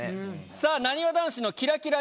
さぁなにわ男子のキラキラ衣装